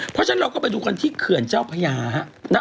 เพราะฉะนั้นเราก็ไปดูกันที่เขื่อนเจ้าพญาฮะ